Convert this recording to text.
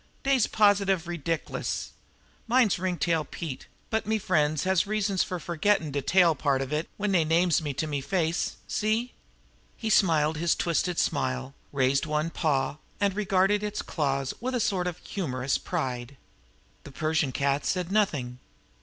D'ey's positive ridick'lous! Mine's Ringtail Pete, but me frien's has reasons fer fergittin' de tail part of it when dey names me to me face see?" He smiled his twisted smile, raised one paw, and regarded its claws with a sort of humorous pride. The Persian cat said nothing.